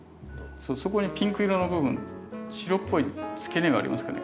そこにピンク色の部分白っぽいつけ根がありますかね？